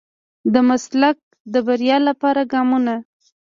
د مسلک د بريا لپاره ګامونه.